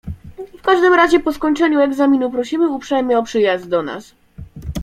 "W każdym razie po skończeniu egzaminu prosimy uprzejmie o przyjazd do nas."